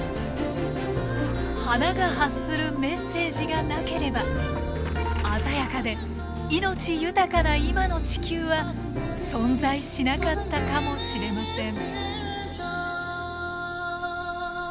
花が発するメッセージがなければ鮮やかで命豊かな今の地球は存在しなかったかもしれません。